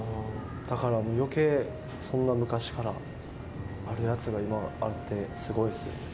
だから、よけい、そんな昔からあるやつが今もあってすごいですよね。